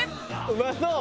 うまそう！